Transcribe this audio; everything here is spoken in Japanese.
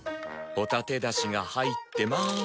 ホタテだしが入ってまーす。